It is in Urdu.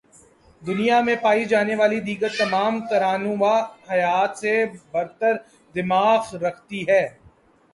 دنیا میں پائی جانے والی دیگر تمام تر انواع حیات سے برتر دماغ رکھتی ہے